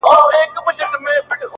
زما د تصور لاس گراني ستا پر ځــنگانـه ـ